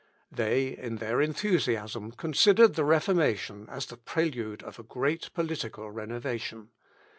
They, in their enthusiasm, considered the Reformation as the prelude of a great political renovation.